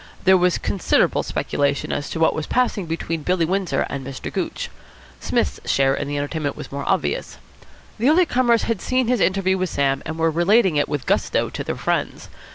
There was considerable speculation as to what was passing between Billy Windsor and Mr. Gooch. Psmith's share in the entertainment was more obvious. The early comers had seen his interview with Sam, and were relating it with gusto to their friends.